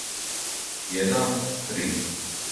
један три